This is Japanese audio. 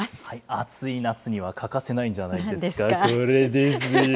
暑い夏には欠かせないんじゃないんですか。